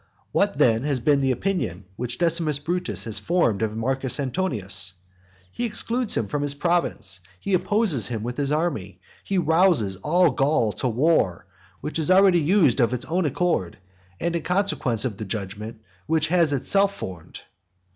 What then has been the opinion which Decimus Brutus has formed of Marcus Antonius? He excludes him from his province. He opposes him with his army. He rouses all Gaul to war, which is already used of its own accord, and in consequence of the judgment which it has itself formed.